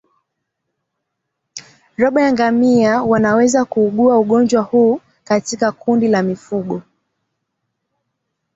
Robo ya ngamia wanaweza kuugua ugonjwa huu katika kundi la mifugo